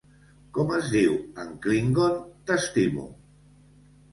Com es diu en klingon 't'estimo'?